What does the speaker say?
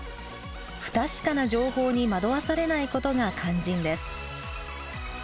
不確かな情報に惑わされないことが肝心です。